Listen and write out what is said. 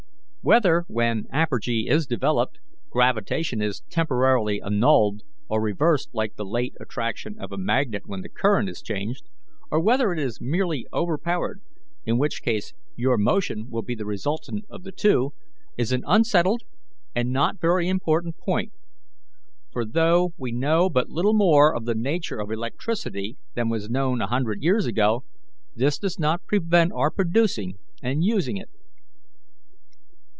Whether, when apergy is developed, gravitation is temporarily annulled, or reversed like the late attraction of a magnet when the current is changed, or whether it is merely overpowered, in which case your motion will be the resultant of the two, is an unsettled and not very important point; for, though we know but little more of the nature of electricity than was known a hundred years ago, this does not prevent our producing and using it."